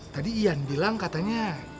tadi ian bilang katanya